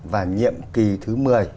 và nhiệm kỳ thứ một mươi